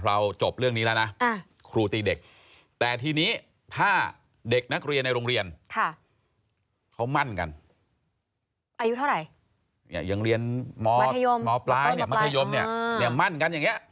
เราจบเรื่องนี้แล้วนะ